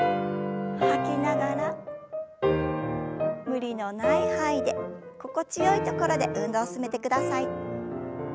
無理のない範囲で心地よいところで運動を進めてください。